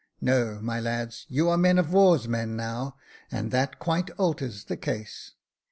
*' No, my lads, you are men of war's men now, and that quite alters the case."